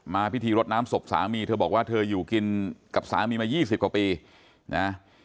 พิธีรดน้ำศพสามีเธอบอกว่าเธออยู่กินกับสามีมา๒๐กว่าปีนะ